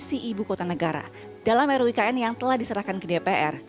visi ibu kota negara dalam ru ikn yang telah diserahkan ke dpr